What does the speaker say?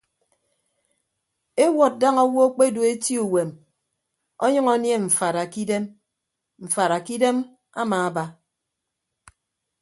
Ewọd daña owo akpedu eti uwem ọnyʌñ anie mfaada kidem mfaada kidem amaaba.